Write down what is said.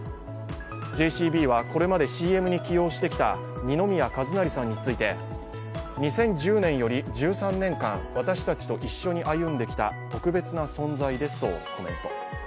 ＪＣＢはこれまでＣＭに起用してきた二宮和也さんについて２０１０年より１３年間、私たちと一緒に歩んできた特別な存在ですとコメント。